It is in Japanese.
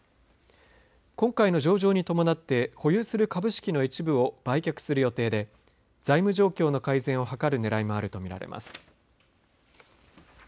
今回の上場に伴って保有する株式の一部を売却する予定で財務状況の改善を図るねらいもあると見られます。